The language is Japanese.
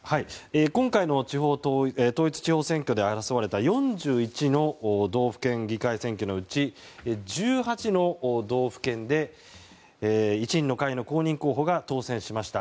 今回の統一地方選で争われた４１の道府県議会選挙のうち１８の道府県で維新の会の公認候補が当選しました。